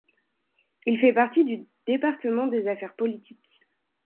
Il fait partie du Département des affaires politiques.